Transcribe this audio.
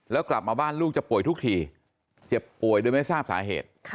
แล้วกลับมาบ้านลูกจะป่วยทุกทีเจ็บป่วยโดยไม่ทราบสาเหตุ